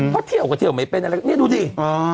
เพราะเที่ยวก็เที่ยวเหมือนเข้าไปนี่ดูดิ